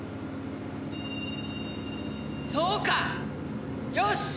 そうかよし！